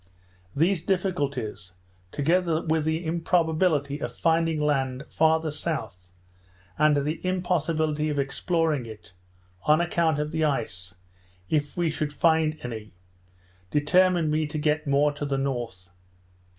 These difficulties, together with the improbability of finding land farther south, and the impossibility of exploring it, on account of the ice, if we should find any, determined me to get more to the north.